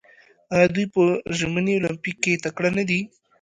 آیا دوی په ژمني المپیک کې تکړه نه دي؟